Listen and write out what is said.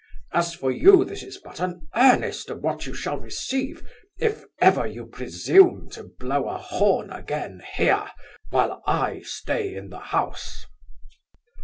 As for you, this is but an earnest of what you shall receive, if ever you presume to blow a horn again here, while I stay in the house.